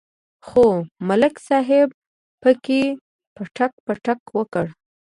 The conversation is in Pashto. خو ملک صاحب پکې پټک پټک وکړ.